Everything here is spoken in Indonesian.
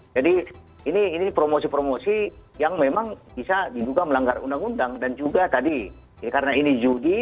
jadi ini promosi promosi yang memang bisa juga melanggar undang undang dan juga tadi karena ini judi